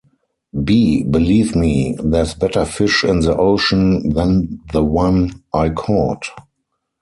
B: Believe me, there's better fish in the ocean than the one I caught.